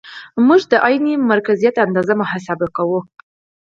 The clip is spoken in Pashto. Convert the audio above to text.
موږ د عین مرکزیت اندازه محاسبه کوو